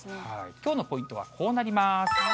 きょうのポイントはこうなります。